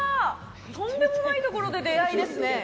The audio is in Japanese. とんでもないところで出会いですね。